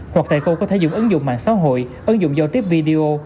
hoặc tại cô có thể dùng ứng dụng mạng xã hội ứng dụng dấu tiếp video